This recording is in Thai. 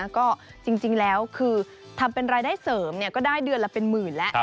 ก็จริงแล้วคือทำเป็นรายได้เสริมก็ได้เดือนละเป็นหมื่นแล้ว